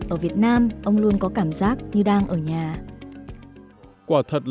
ở việt nam ông luôn có cảm giác như đang ở nhà